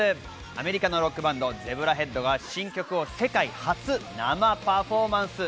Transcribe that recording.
アメリカのロックバンド、ＺＥＢＲＡＨＥＡＤが新曲を世界初生パフォーマンス。